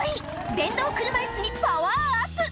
電動車いすにパワーアップ